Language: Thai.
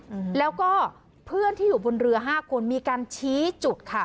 อืมแล้วก็เพื่อนที่อยู่บนเรือห้าคนมีการชี้จุดค่ะ